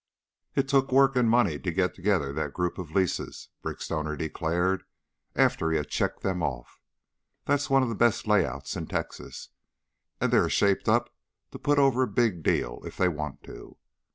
"It took work and money to get together that group of leases," Brick Stoner declared, after he had checked them off. "That's one of the best layouts in Texas, and they're shaped up to put over a big deal if they want to."